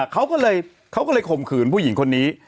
เขาก็เลยข่มขืนผู้หญิงคนนี้